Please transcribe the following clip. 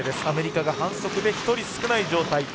アメリカが反則で１人少ない状態。